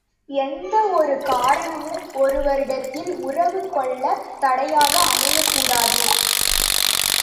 எந்த ஒரு காரணமும் ஒருவரிடத்தில் உறவு கொள்ளத் தடையாக அமையக்கூடாது.